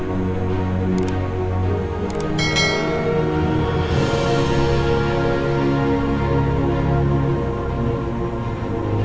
orang itu kenceng sekali hier